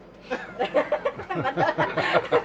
ハハハハハ！